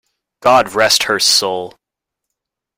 God rest her soul!